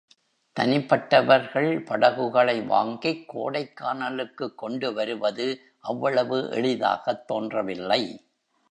தனிப்பட்டவர்கள், படகுகளை வாங்கிக் கோடைக்கானலுக்குக் கொண்டு வருவது அவ்வளவு எளிதாகத் தோன்றவில்லை.